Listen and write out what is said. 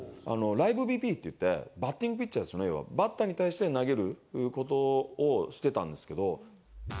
ライブＢＰっていって、バッティングピッチャーですよね、バッターに対して投げることをしてたんですけど。